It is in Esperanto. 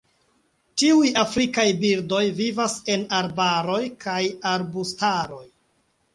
Tiuj afrikaj birdoj vivas en arbaroj kaj arbustaroj.